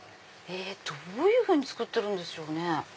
どういうふうに作ってるんでしょうね。